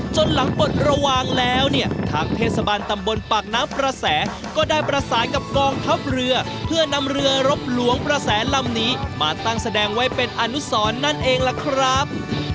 จนหลังปลดระวังแล้วเนี่ยทางเทศบาลตำบลปากน้ำประแสก็ได้ประสานกับกองทัพเรือเพื่อนำเรือรบหลวงประแสลำนี้มาตั้งแสดงไว้เป็นอนุสรนั่นเองล่ะครับ